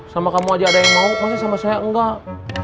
sama kamu aja ada yang mau masa sama saya enggak